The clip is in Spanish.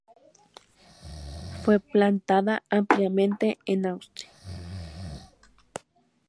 Fue plantada ampliamente en Austria.